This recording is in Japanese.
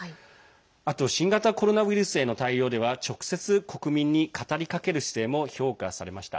あと、新型コロナウイルスへの対応では直接、国民に語りかける姿勢も評価されました。